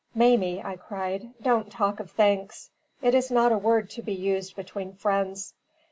"Mamie," I cried, "don't talk of thanks; it is not a word to be used between friends.